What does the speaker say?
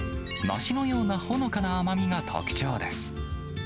梨のようなほのかな甘みが特徴です。